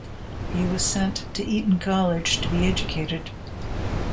He was sent to Eton College to be educated.